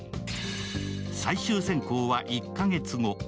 最終選考は１カ月後。